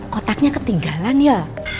kotaknya ketinggalan ya